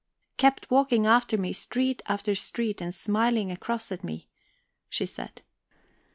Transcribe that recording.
"Kept walking after me, street after street, and smiling across at me," she said.